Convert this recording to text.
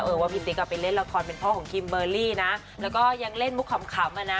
ว่าพี่ติ๊กอ่ะไปเล่นละครเป็นพ่อของคิมเบอร์รี่นะแล้วก็ยังเล่นมุกขำอ่ะนะ